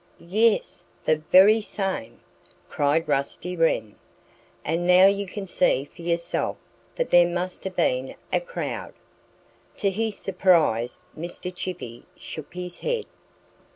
"Yes the very same!" cried Rusty Wren. "And now you can see for yourself that there must have been a crowd." To his surprise Mr. Chippy shook his head.